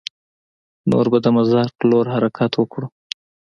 نور به د مزار په لور حرکت وکړو.